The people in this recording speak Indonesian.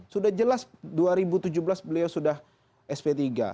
sudah jelas dua ribu tujuh belas beliau sudah sp tiga